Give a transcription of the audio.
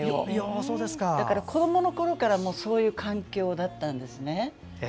だから、子どものころからそういう環境だったんですね。